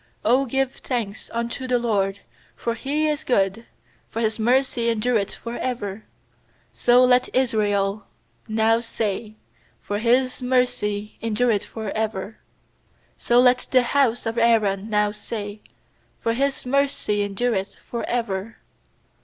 1 1 ft '0 give thanks unto the LORD. 1X0 for He is good, For His mercy endureth for ever/ 2So let Israel now say, For His mercy endureth for ever. 8So let the bouse of Aaron now say, For His mercy endureth for ever.